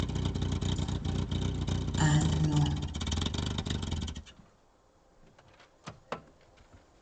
Anò.